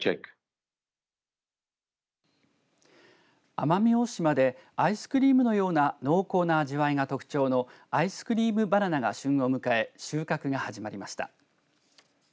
奄美大島でアイスクリームのような濃厚な味わいが特徴のアイスクリームバナナが旬を迎え収穫が始まりました。